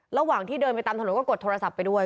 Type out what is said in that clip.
ระหว่างที่เดินไปตามถนนก็กดโทรศัพท์ไปด้วย